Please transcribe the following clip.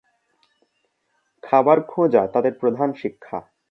খাবার খোঁজা তাদের প্রধান শিক্ষা।